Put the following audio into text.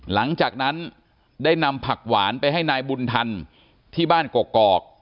หลังจากนั้นได้นำผักหวานไปให้นายบุญธรรมที่บ้านกกอก